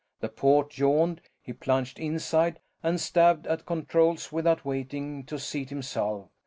The port yawned; he plunged inside and stabbed at controls without waiting to seat himself.